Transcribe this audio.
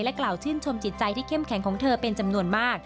กล่าวชื่นชมจิตใจที่เข้มแข็งของเธอเป็นจำนวนมาก